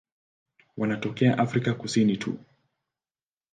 Wanatokea Afrika Kusini tu.